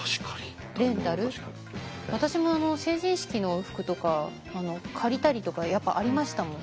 私も成人式の服とか借りたりとかやっぱありましたもん。